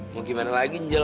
mau gimana lagi jel